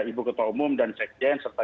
ibu ketua umum dan sekjen serta